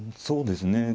そうですね。